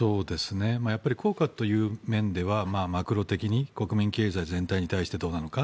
やっぱり効果という面ではマクロ的に国民経済全体に対してどうなのか。